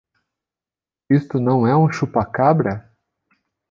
Isto não é um chupa-cabra?